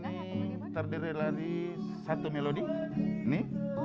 enam set ini terdiri dari satu melodi ini